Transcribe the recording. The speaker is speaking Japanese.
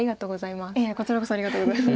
いえこちらこそありがとうございます。